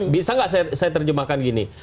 bisa nggak saya terjemahkan gini